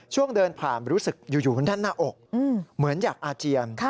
ช่วงเดินผ่านรู้สึกอยู่มันด้านหน้าอกเหมือนอยากอาเจียน